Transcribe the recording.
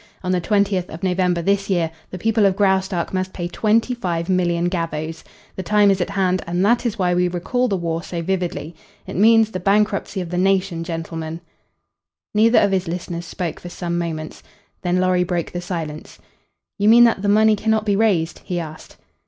On the twentieth of November, this year, the people of Graustark must pay 25,000,000 gavvos. The time is at hand, and that is why we recall the war so vividly. It means the bankruptcy of the nation, gentlemen." Neither of his listeners spoke for some moments. Then Lorry broke the silence. "You mean that the money cannot be raised?" he asked.